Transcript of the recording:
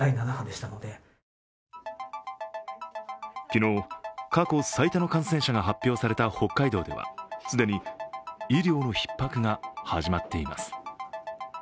昨日、過去最多の感染者が発表された北海道では既に医療のひっ迫が始まっています。